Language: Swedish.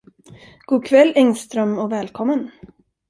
Gokväll, Engström, och välkommen.